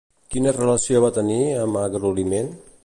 Quina relació va tenir amb Agrolimen?